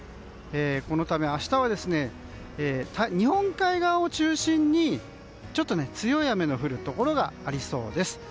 このため明日は日本海側を中心に強い雨が降るところがありそうです。